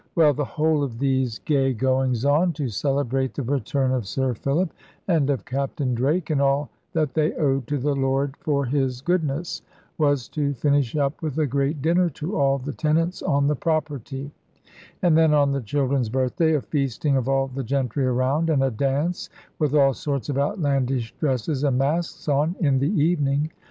Well, the whole of these gay goings on, to celebrate the return of Sir Philip, and of Captain Drake, and all that they owed to the Lord for His goodness, was to finish up with a great dinner to all the tenants on the property; and then on the children's birthday, a feasting of all the gentry around; and a dance with all sorts of outlandish dresses and masks on, in the evening.